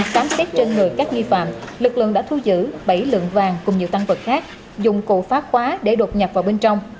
khám xét trên người các nghi phạm lực lượng đã thu giữ bảy lượng vàng cùng nhiều tăng vật khác dụng cụ phá khóa để đột nhập vào bên trong